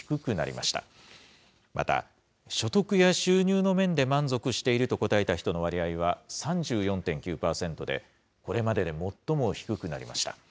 また、所得や収入の面で満足していると答えた人の割合は３４．９％で、これまでで最も低くなりました。